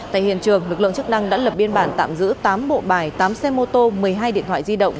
tại hiện trường lực lượng chức năng đã lập biên bản tạm giữ tám bộ bài tám xe mô tô một mươi hai điện thoại di động